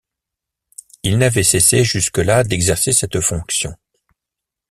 Il n'avait cessé jusque-là d'exercer cette fonction.